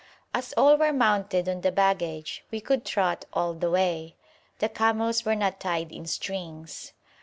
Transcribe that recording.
As all were mounted on the baggage we could trot all the way; the camels were not tied in strings.